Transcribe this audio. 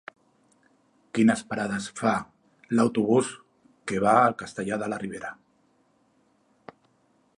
Quines parades fa l'autobús que va a Castellar de la Ribera?